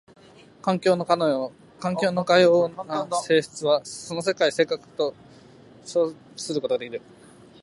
環境のかような性質はその世界性格と称することができる。